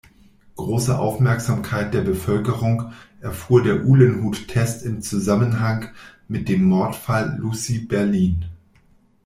Große Aufmerksamkeit der Bevölkerung erfuhr der Uhlenhuth-Test im Zusammenhang mit dem Mordfall Lucie Berlin.